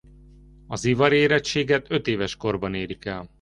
Az ivarérettséget ötéves korban érik el.